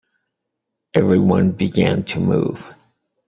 Everyone began to move.